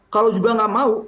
kalau juga nggak mau